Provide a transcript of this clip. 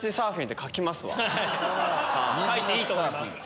書いていいと思います。